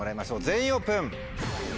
全員オープン！